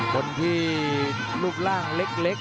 คนที่รูปร่างเล็ก